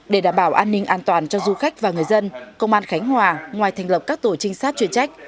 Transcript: để đảm bảo an ninh an toàn cho du khách và người dân công an khánh hòa ngoài thành lập các tổ trinh sát chuyên trách